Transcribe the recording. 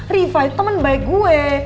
riva itu temen baik gue